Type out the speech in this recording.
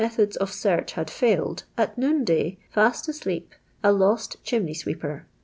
'thods of search had failed, at noun day, fast asleep, a lost chimney sweeper.